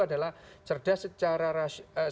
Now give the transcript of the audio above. adalah cerdas secara